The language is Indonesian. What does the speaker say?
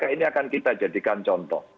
ini akan kita jadikan contoh